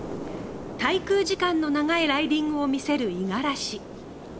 滞空時間の長いライディングを見せる五十嵐。